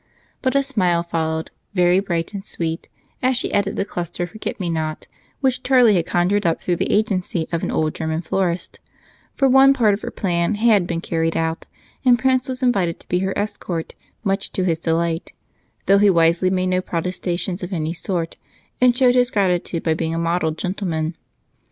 But a smile followed, very bright and sweet, as she added the clusters of forget me not which Charlie had conjured up through the agency of an old German florist, for one part of her plan had been carried out, and Prince was invited to be her escort, much to his delight, though he wisely made no protestations of any sort and showed his gratitude by being a model gentleman.